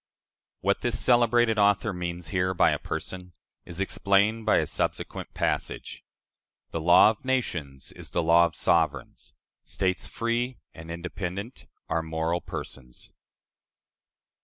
" What this celebrated author means here by a person, is explained by a subsequent passage: "The law of nations is the law of sovereigns; states free and independent are moral persons."